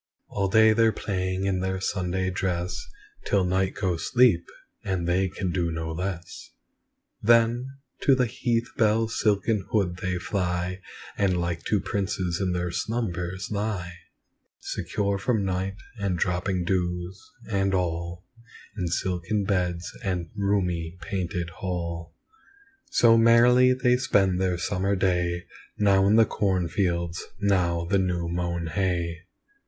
All day they're playing in their Sunday dress Till night goes sleep, and they can do no less; Then, to the heath bell's silken hood they fly, And like to princes in their slumbers lie, Secure from night, and dropping dews, and all, In silken beds and roomy painted hall. So merrily they spend their summer day, Now in the cornfields, now the new mown hay.